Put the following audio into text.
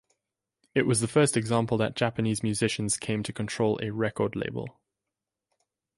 It was the first example that Japanese musicians came to control a record label.